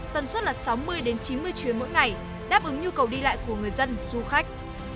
tần suất là sáu mươi chín mươi chuyến mỗi ngày đáp ứng nhu cầu đi lại của người dân du khách